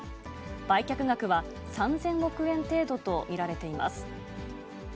売却額は３０００億円程度と見られています。